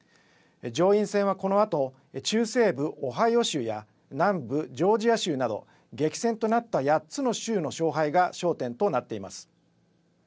上院戦はこのあと中西部オハイオ州や南部ジョージア州など激戦となった８つの州の勝敗が焦点となっています。